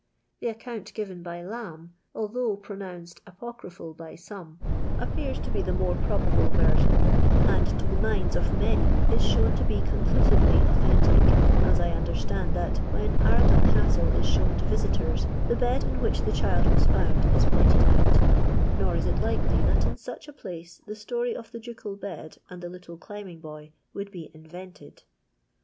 The account given by Lamb (although pro noun red ajiocryphal by some) appears to" be the more probable version ; and to the minds of many is shown to be conclusively authentic, as I under stand that, when Arundel Castle is shown to visitors, the bed in which the child was foond ii pointed out ; nor is it likely that in such a place the story of the ducal bed and the little climbing boy would be invtnUd.